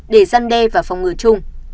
để giăn đe và phòng ngừa chung